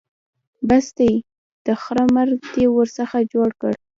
بس دی؛ د خره مرګ دې ورڅخه جوړ کړ.